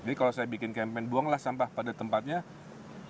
jadi kalau saya bikin campaign buanglah sampah pada tempat lain